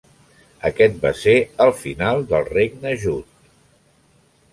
Aquest va ser el final del regne jut.